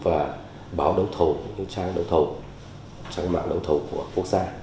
và báo đấu thầu trang đấu thầu trang mạng đấu thầu của quốc gia